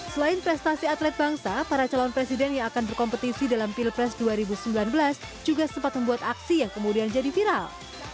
selain prestasi atlet bangsa para calon presiden yang akan berkompetisi dalam pilpres dua ribu sembilan belas juga sempat membuat aksi yang kemudian jadi viral